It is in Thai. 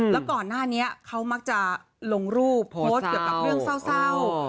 แล้วก่อนหน้านี้เขามักจะลงรูปโพสต์เกี่ยวกับเรื่องเศร้า